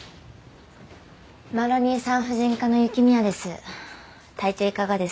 マロニエ産婦人科の雪宮です。